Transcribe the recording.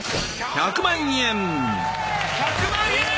１００万円！